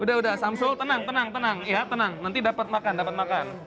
udah udah samsul tenang tenang tenang ya tenang nanti dapat makan dapat makan